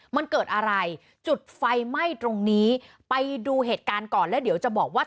มันเกิดอะไรจุดไฟไหม้ตรงนี้ไปดูเหตุการณ์ก่อนแล้วเดี๋ยวจะบอกว่า